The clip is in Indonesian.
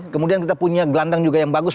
kemudian kita punya gelandang juga yang bagus